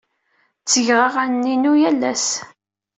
Ttgeɣ aɣanen-inu yal ass.